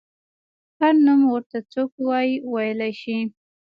هر نوم ورته څوک وايي ویلی شي.